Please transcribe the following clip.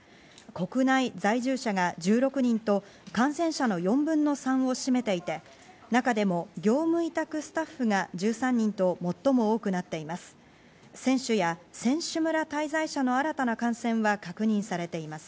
国内在住者が１６人と感染者の４分の３を占めていて、中でも業務委託スタッフが１３人と最も多くなっています。